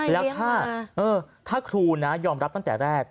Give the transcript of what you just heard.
แล้วถ้าครูนะยอมรับตั้งแต่แรก